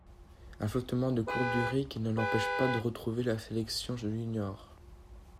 Un flottement de courte durée qui ne l'empêche pas de retrouver la sélection juniors.